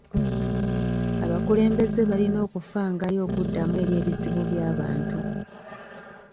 Abakulembeze balina okufangayo okuddamu eri ebizibu by'abantu.